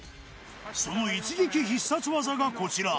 その一撃必殺技がこちら。